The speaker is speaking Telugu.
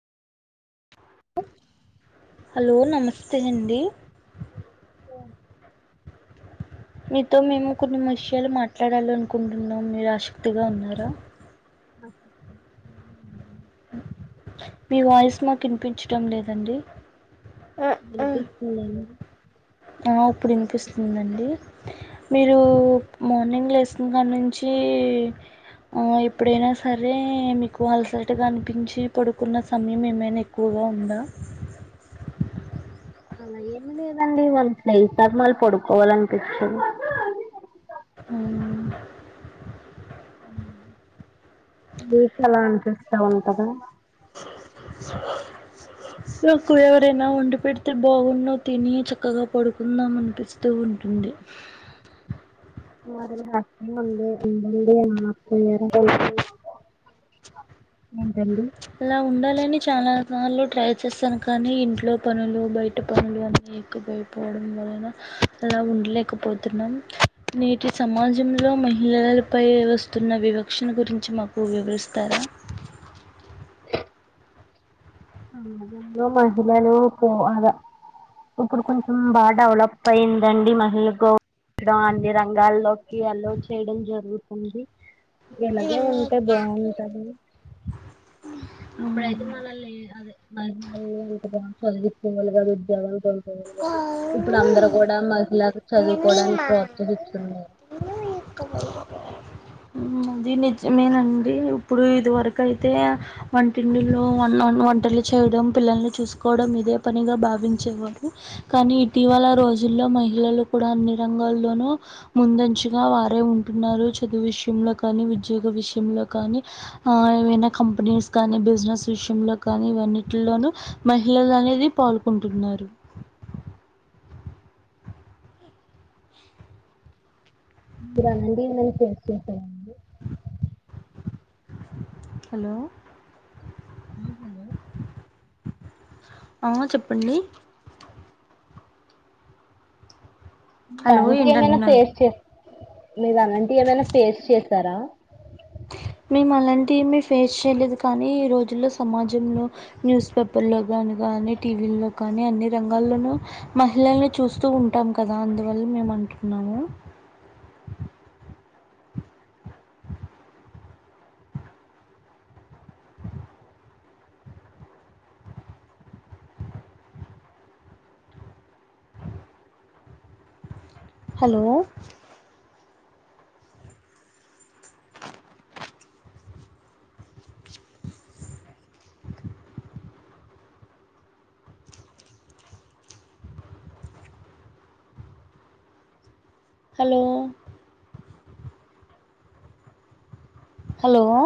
[inaudible] హలో నమస్తే అండి మీతో మేము కొన్ని విషయాలు మాట్లాడాలి అనుకుంటున్నాం మీరు ఆసక్తిగా ఉన్నారా [inaudible] మీ వాయిస్ మాకు ఇనిపించడం లేదండి వినిపిస్తోంది అండి ఆ ఇప్పుడు వినిపిస్తుందండి మీరు మార్నింగ్ లేెసిన కాడి నుంచి ఎప్పుడైనా సరే మీకు అలసటగా అనిపించి పడుకున్న సమయం ఏమైనా ఎక్కువగా ఉందా అలా ఏమి లేదండి వాన స్నేహి ధర్మాలు పడుకోవాలనిపించంది ఆ మీకు అలా అనిపిస్తా ఉంటదా నాకు ఎవరైనా వండి పెడితే బాగుండు తిని చక్కగా పడుకుందాం అనిపిస్తూ ఉంటుంది [unintelligible] [unintelligible] [inaudible] ఏంటండి ఇని చాలా రకాలల్లో ట్రై చేస్తాను కానీ ఇంట్లో పనులు బయట పనులు అన్న ఎక్కుపోయిపోవడం వలన అలా ఉండలేకపోతున్నాం నేటి సమాజంలో మహిళలపై వస్తున్న వివక్షణ గురించి మాకు వివరిస్తారా అంలో మహిళలు ఇప్పుడు కొంచెం బాగా డెవలప్ అయిందండి మహిళ గడం అన్ని రంగాల్లోకి అలో చేయడం జరుగుతుంది ఎలాగే ఉంటే బాగుంటది అప్పుడైతే మన లే అదే మ చ తంగళ వారుజ జ్యవ ఇప్పుడు అందరు కూడా మహిళ చదువుకోవడానికి ప్రోత్సహిస్తుంది అది నిజమేనండి ఇప్పుడు ఇదివరకు అయితే వంటింంటిలో వంటలు చేయడం పిల్లల్ని చూసుకోవడం ఇదే పనిగా భావించేవారు కానీ ఇటీవల రోజుల్లో మహిళలు కూడా అన్ని రంగాల్లోనూ ముందంచగా వారే ఉంటున్నారు చదువు విషయంలో కానీ ఉద్యోగ విషయంలో కానీ ఆ ఏవైనా కంపెనీస్ కానీ బిజినెస్ విషయంలో కానీ ఇవన్నింటిలోనూ మహిళలు అనేది పాల్గొంటున్నారు ఇరా న దీ మంచి చేస్తండి [unintelligible] హలో ఆ హలో ఆ చెప్పండి మీ హలో అంటి ఏమైనా ఏంటంటున్నారు ఫేస్ [unintelligible] మీరు అలాంటి ఏమైనా ఫేస్ చేసారా మేము అలాంటివెమి ఫేస్ చేయలేదు కానీ ఈ రోజుల్లో సమాజంలో న్యూస్ పేపర్లో కానీ కానీ టీవీల్లో కానీ అన్ని రంగాల్లోనూ మహిళని చూస్తూ ఉంటాం కదా అందువల్ల మేము అంటున్నాము హలో హలో హలో